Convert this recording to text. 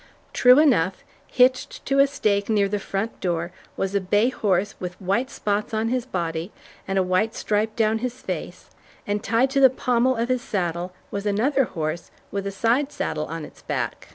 True enough, hitched to a stake near the front door was a bay horse with white spots on his body and a white stripe down his face, and tied to the pommel of his saddle was another horse with a side saddle on its back.